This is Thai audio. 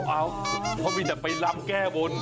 เพราะว่าจะไปล้ำแก้บ้น